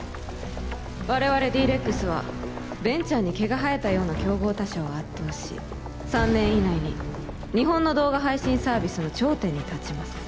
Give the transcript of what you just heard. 我々Ｄ−ＲＥＸはベンチャーに毛が生えたような競合他社を圧倒し３年以内に日本の動画配信サービスの頂点に立ちます